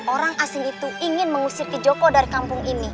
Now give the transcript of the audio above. orang asing itu ingin mengusir kijoko dari kampung ini